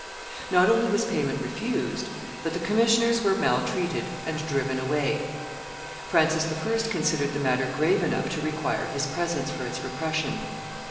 Not only was payment refused, but the commissioners were maltreated and driven away. Francis I. considered the matter grave enough to require his presence for its repression.